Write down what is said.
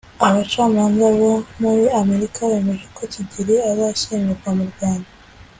abacamanza bo muri Amerika bemeje ko Kigeli azashyingurwa mu Rwanda